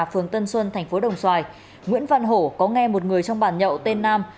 phường tân xuân tp đồng xoài nguyễn văn hổ có nghe một người trong bàn nhậu tên nam